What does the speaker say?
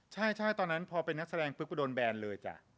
ใช่ตอนนั้นพอเป็นนักแสดงปุ๊บไปโดนแบนเลยจ้ะ